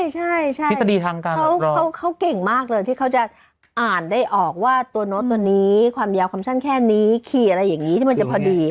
ใช่ทฤษฎีทางการเขาเก่งมากเลยที่เขาจะอ่านได้ออกว่าตัวโน้ตตัวนี้ความยาวความสั้นแค่นี้ขี่อะไรอย่างนี้ที่มันจะพอดี